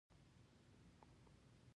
دا خلک جنګونه په تاسو کوي.